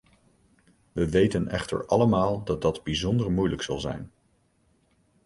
We weten echter allemaal dat dat bijzonder moeilijk zal zijn.